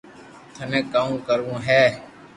ٿني ڪاو ڪروو ھي